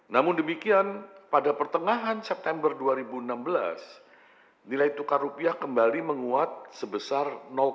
namun demikian pada pertengahan september dua ribu enam belas nilai tukar rupiah kembali menguat sebesar